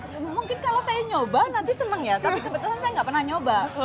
jadi mungkin kalau saya nyoba nanti seneng ya tapi kebetulan saya gak pernah nyoba